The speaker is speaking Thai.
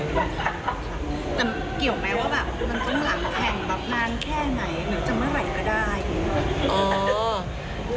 แต่เกี่ยวไหมว่าแบบมันต้องหลังแข่งแบบนานแค่ไหนหรือจะเมื่อไหร่ก็ได้